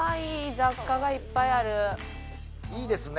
いいですね